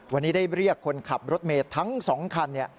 วันนี้ได้เรียกคนขับรถเมย์ทั้ง๒คัน